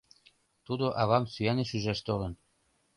Тудо авам сӱаныш ӱжаш толын.